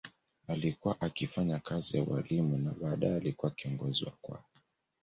Alikuwa akifanya kazi ya ualimu na baadaye alikuwa kiongozi wa kwaya.